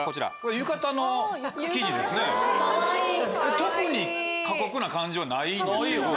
特に過酷な感じはないですよね。